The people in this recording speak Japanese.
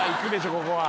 ここは。